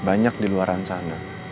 banyak di luar sana